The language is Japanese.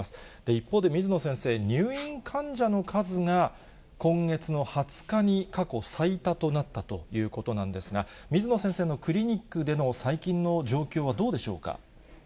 一方で水野先生、入院患者の数が今月の２０日に過去最多となったということなんですが、水野先生のクリニックでの最近の状況はどうでしょうか。